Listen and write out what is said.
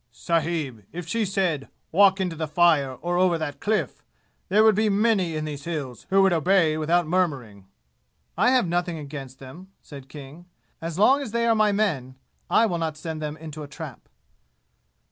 "Sahib if she said, 'Walk into the fire or over that Cliff!' there be many in these 'Hills' who would obey without murmuring!" "I have nothing against them," said King. "As long as they are my men I will not send them into a trap."